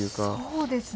そうですね。